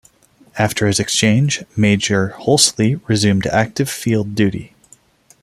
After his exchange, Major Hulsey resumed active field duty.